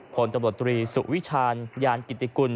ผลตำรวจตรีสุวิชาญยานกิติกุล